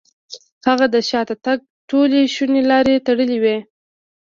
هغه د شاته تګ ټولې شونې لارې تړلې وې.